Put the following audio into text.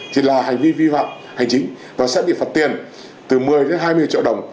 thì là hành vi vi phạm hành chính và sẽ bị phạt tiền từ một mươi đến hai mươi triệu đồng